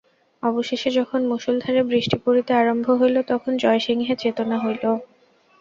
অবশেষে যখন মুষলধারে বৃষ্টি পড়িতে আরম্ভ হইল তখন জয়সিংহের চেতনা হইল।